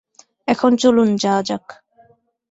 এখন চলুন, যাওয়া যাক।